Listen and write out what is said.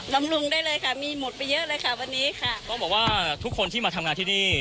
ำรุงได้เลยค่ะมีหมดไปเยอะเลยค่ะวันนี้ค่ะต้องบอกว่าทุกคนที่มาทำงานที่นี่